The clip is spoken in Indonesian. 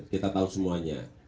kita tahu semuanya